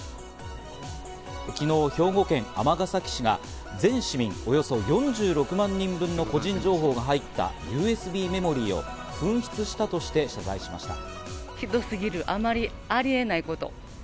昨日、兵庫県尼崎市が全市民およそ４６万人分の個人情報が入ったＵＳＢメモリーを紛失したとして謝罪しました。